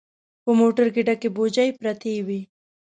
په موټر کې ډکې بوجۍ پرتې وې.